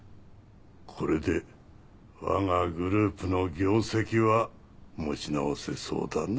これで我がグループの業績は持ち直せそうだな。